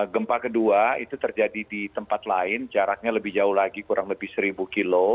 gempa kedua itu terjadi di tempat lain jaraknya lebih jauh lagi kurang lebih seribu km